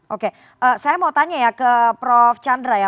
oke saya mau tanya ya ke prof chandra ya